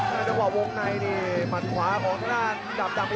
นั่นก็ว่าว่าวงในนี่หมานขวาของกระด่า